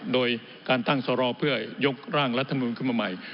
โดยการตั้งสรอเพื่อยกร่างรัฐมนุนขึ้นมาใหม่